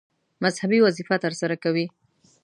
مذهبي وظیفه ترسره کوي.